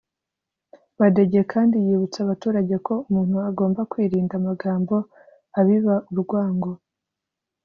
Badege kandi yibutsa abaturage ko umuntu agomba kwirinda amagambo abiba urwango